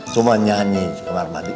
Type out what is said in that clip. cuma nyanyi kamar mandi